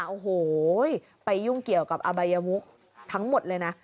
โอ้โหไปยุ่งเกี่ยวกับอบายมุกทั้งหมดเลยนะ